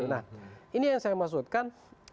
nah ini yang saya maksudkan